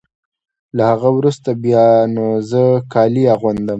له هغه وروسته بیا نو زه کالي اغوندم.